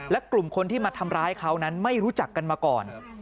และกลุ่มคนที่มาทำร้ายเขานั้นไม่รู้จักกันมาก่อน